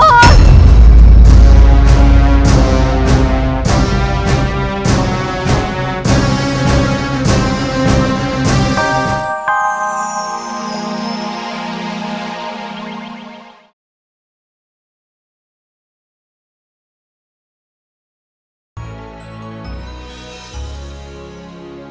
kanda selamat sejahtera